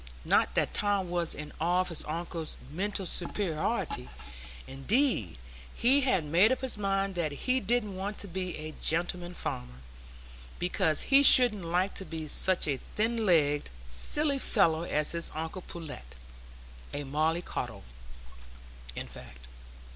Not that Tom was in awe of his uncle's mental superiority; indeed, he had made up his mind that he didn't want to be a gentleman farmer, because he shouldn't like to be such a thin legged, silly fellow as his uncle Pullet,—a molly coddle, in fact.